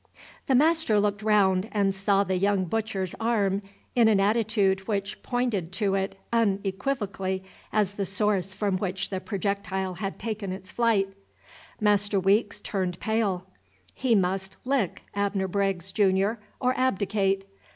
The master looked round and saw the young butcher's arm in an attitude which pointed to it unequivocally as the source from which the projectile had taken its flight. Master Weeks turned pale. He must "lick" Abner Briggs, Junior, or abdicate.